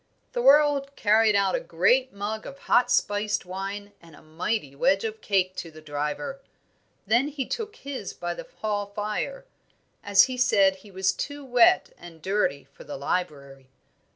Thorold carried out a great mug of hot spiced wine and a mighty wedge of cake to the driver; then he took his by the hall fire, as he said he was too wet and dirty for the library.